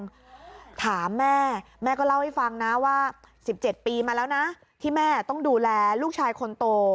คุณผู้ชมถามแม่แม่ก็เล่าให้ฟังนะว่า๑๗ปีมาแล้วนะที่แม่ต้องดูแลลูกชายคนโต